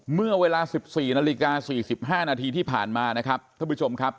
เมื่อเวลา๑๔นาฬิกา๔๕นาทีที่ผ่านมานะครับท่านผู้ชมครับ